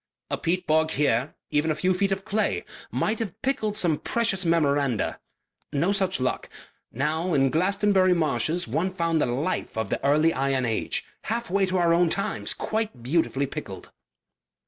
"A peat bog here, even a few feet of clay, might have pickled some precious memoranda.... No such luck.... Now in Glastonbury marshes one found the life of the early iron age half way to our own times quite beautifully pickled."